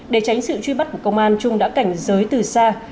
để tránh sự truy bắt của công an trung đã cảnh giới từ xa